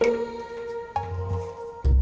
jangan terlalu banyak